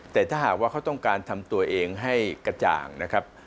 แต่ถ้าหากว่าเขาต้องการทำตัวเองให้กระจ่างนะครับ